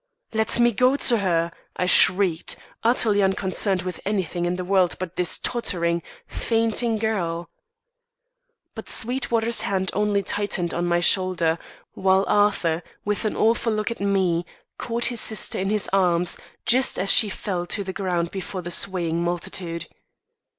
"Let me go to her!" I shrieked, utterly unconcerned with anything in the world but this tottering, fainting girl. But Sweetwater's hand only tightened on my shoulder, while Arthur, with an awful look at me, caught his sister in his arms, just as she fell to the ground before the swaying multitude.